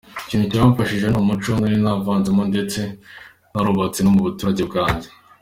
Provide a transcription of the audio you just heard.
"Ikintu cyamfashije ni umuco nari nariyubatsemo ndetse narawubatse no mu baturage banjye.